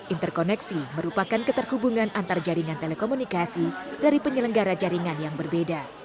interkoneksi merupakan keterhubungan antar jaringan telekomunikasi dari penyelenggara jaringan yang berbeda